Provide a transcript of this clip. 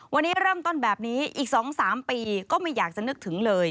วันนี้เริ่มต้นแบบนี้อีก๒๓ปีก็ไม่อยากจะนึกถึงเลย